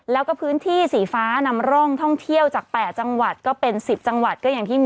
แล้วก็พื้นที่สีฟ้านำร่องท่องเที่ยวจาก๘จังหวัดก็เป็น๑๐จังหวัดก็อย่างที่มี